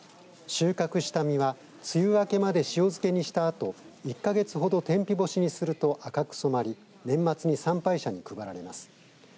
収穫した実は梅雨明けまで塩漬けにしたあと１か月ほど天日干しにすると赤く染まり年末に参拝者に配られます。